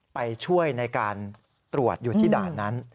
ไปช่วยในการตรวจอยู่ที่ด่านนั้น